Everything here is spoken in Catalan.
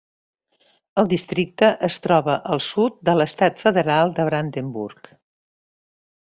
El districte es troba al sud de l'estat federal de Brandenburg.